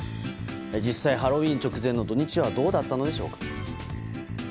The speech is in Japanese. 実際、ハロウィーン直前の土日はどうだったのでしょうか。